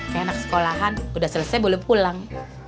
kayak anak sekolahan udah selesai boleh pulang